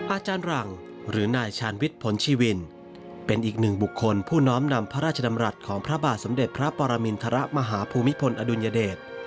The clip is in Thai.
อาจารย์หลังหรือนายชาญวิทย์ผลชีวินเป็นอีกหนึ่งบุคคลผู้น้อมนำพระราชดำรัฐของพระบาทสมเด็จพระปรมินทรมาฮภูมิพลอดุลยเดช